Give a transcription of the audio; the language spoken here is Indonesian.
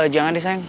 jangan deh sayang